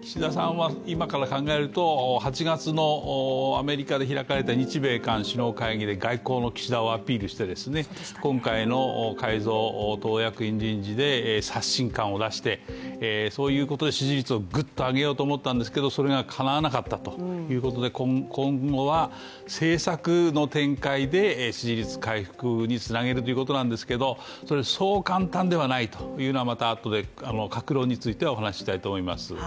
岸田さんは今から考えると８月のアメリカで開かれた日米韓首脳会議で外交の岸田をアピールして今回の改造、党役員人事で刷新感を出して、そういうことで支持率をぐっと上げようと思ったんですけどそれがかなわなかったということで、今後は政策の展開で支持率回復につなげるということなんですけどそう簡単ではないというのはまたあとで各論についてはお話ししたいと思います。